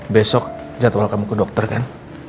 besok jadwal kamu ke dokter kan